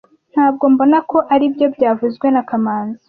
Ntabwo mbona ko aribyo byavuzwe na kamanzi